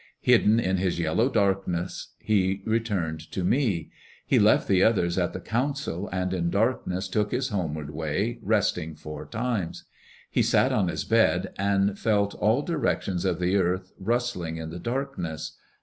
Hidden in his yellow darkness, he returned to me. He left the others at the council and in darkness took his homeward way, resting four times. He sat on his bed and felt all directions of the earth rustling in the darkness.